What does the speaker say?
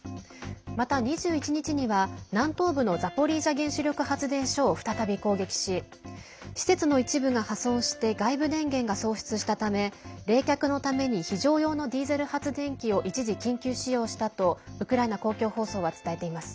また、２１日には南東部のザポリージャ原子力発電所を再び攻撃し施設の一部が破損して外部電源が喪失したため冷却のために非常用のディーゼル発電機を一時、緊急使用したとウクライナ公共放送は伝えています。